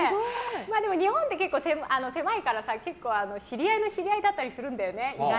でも日本って、狭いから結構知り合いの知り合いだったりするんだよね。